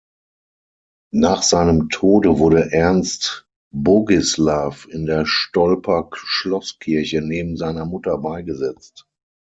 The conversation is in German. Nach seinem Tode wurde Ernst Bogislaw in der Stolper Schlosskirche neben seiner Mutter beigesetzt.